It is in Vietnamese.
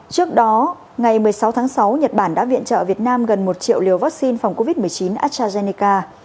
trước đó ngày một mươi sáu tháng sáu nhật bản đã viện trợ việt nam gần một triệu liều vaccine phòng covid một mươi chín astrazeneca